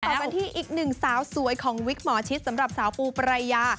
ต่อกันที่อีกหนึ่งสาวสวยของวิกหมอชิดสำหรับสาวปูปรายา